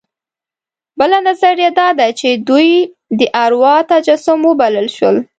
بله نظریه دا ده چې دوی د اروا تجسم وبلل شول.